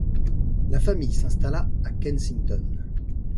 La famille s'installa à Kensington.